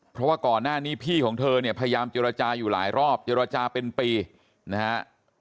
เพราะว่าก่อนหน้านี้พี่ของเธอเนี่ยพยายามเจรจาอยู่หลายรอบเจรจาเป็นปีนะฮะ